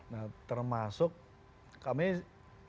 nah termasuk kami evaluasi juga